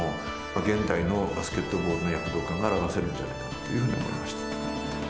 現代のバスケットボールの躍動感が表せるんじゃないかなというふうに思いました。